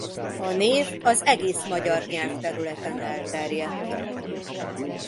A név az egész magyar nyelvterületen elterjedt.